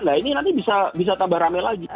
nah ini nanti bisa tambah rame lagi